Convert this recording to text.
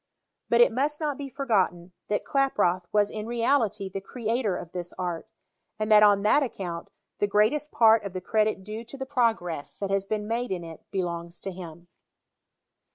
But it must not be forgotten, that Klaproth was in reality the creator of this art, and that on that account the greatest part of the credit due to the progress that has been made in it belongs to him.